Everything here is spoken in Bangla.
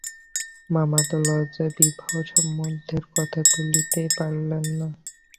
মামা তো লজ্জায় বিবাহসম্বন্ধের কথা তুলিতেই পারেন না।